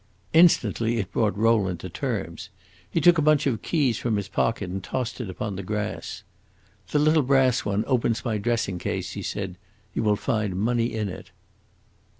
Instantly it brought Rowland to terms. He took a bunch of keys from his pocket and tossed it upon the grass. "The little brass one opens my dressing case," he said. "You will find money in it."